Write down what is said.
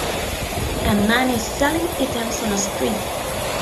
A man is selling items on a street.